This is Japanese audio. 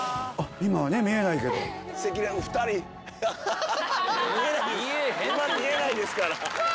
今見えないですから。